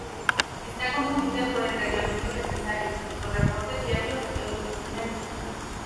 Está confundida por el reglamento necesario, los reportes diarios y otros documentos.